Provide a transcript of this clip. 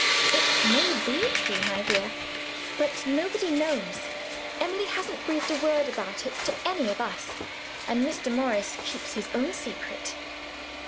"It may be true, my dear; but nobody knows. Emily hasn't breathed a word about it to any of us. And Mr. Morris keeps his own secret.